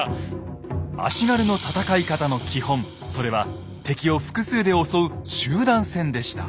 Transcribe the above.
足軽の戦い方の基本それは敵を複数で襲う集団戦でした。